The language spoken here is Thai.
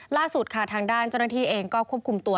ล่าสุดค่ะทางด้านเจ้าหน้าที่เองก็ควบคุมตัว